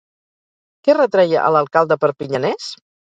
Què retreia a l'alcalde perpinyanès?